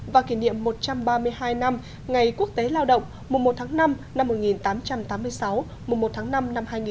và kỷ niệm một trăm ba mươi hai năm ngày quốc tế lao động mùa một tháng năm năm một nghìn tám trăm tám mươi sáu mùa một tháng năm năm hai nghìn một mươi chín